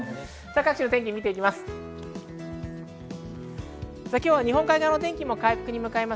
各地の天気、見ていきます。